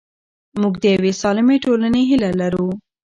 موږ د یوې سالمې ټولنې هیله لرو.